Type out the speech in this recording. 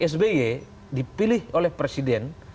sby dipilih oleh presiden